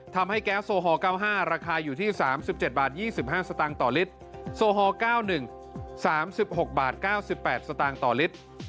ทำให้แก๊สโซฮอล๙๕ราคาอยู่ที่๓๗บาท๒๕สตลิตรโซฮอล๙๑๓๖บาท๙๘สตลิตร